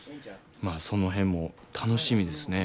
まあその辺も楽しみですね。